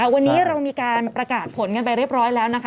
วันนี้เรามีการประกาศผลกันไปเรียบร้อยแล้วนะคะ